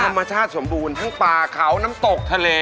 ธรรมชาติสมบูรณ์ทั้งป่าเขาน้ำตกทะเล